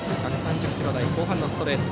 １３０キロ台後半のストレート。